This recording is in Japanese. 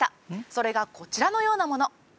それがこちらのようなもの